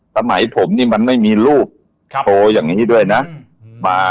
สมัยผมนี่มันไม่มีรูปโชว์อย่างนี้ด้วยนะ